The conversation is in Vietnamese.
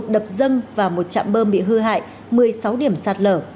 một đập dâng và một chạm bơm bị hư hại một mươi sáu điểm sát lở